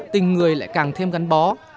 tình người lại càng thêm gắn bó